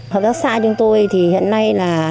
hợp tác xã chúng tôi hiện nay là